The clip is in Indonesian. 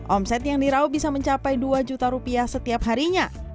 omset yang dirau bisa mencapai dua juta rupiah setiap harinya